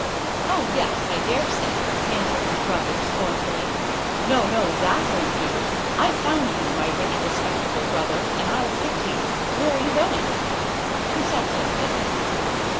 "Oh, yes, I dare say!" answered his brother, scornfully; "no, no, that won't do. I've found you, my rich respectable brother, and I'll stick to you. Where are you going?" "To Southampton."